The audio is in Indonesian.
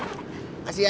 eh bentar bentar